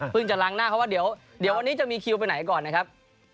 จะล้างหน้าเขาว่าเดี๋ยววันนี้จะมีคิวไปไหนก่อนนะครับ